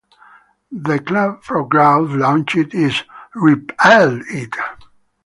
The Club for Growth launched its Repeal It!